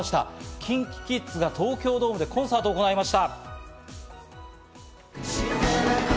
ＫｉｎＫｉＫｉｄｓが東京ドームでコンサートを行いました。